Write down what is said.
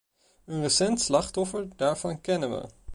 Een recent slachtoffer daarvan kennen we.